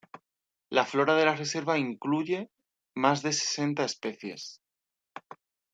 La flora de la reserva incluye más de sesenta especies.